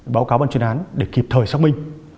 báo cáo ban chuyên án để kịp thời xác minh